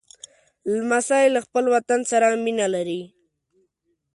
لمسی له خپل وطن سره مینه لري.